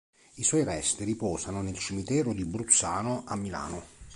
I suoi resti riposano nel cimitero di Bruzzano, a Milano.